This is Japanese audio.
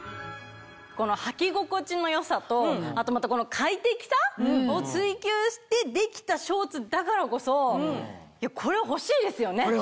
このはき心地の良さとあと快適さを追求してできたショーツだからこそこれは欲しいですよね。